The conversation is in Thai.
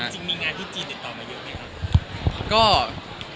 จริงมีงานที่จีนติดต่อมาเยอะไหมครับ